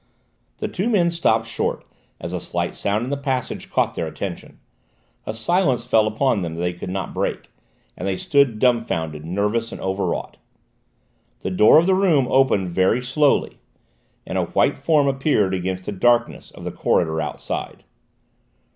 The two men stopped short as a slight sound in the passage caught their attention. A silence fell upon them that they could not break, and they stood dumbfounded, nervous and overwrought. The door of the room opened very slowly, and a white form appeared against the darkness of the corridor outside.